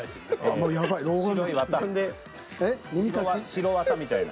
白綿みたいな。